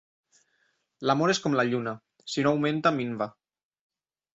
L'amor és com la lluna, si no augmenta minva.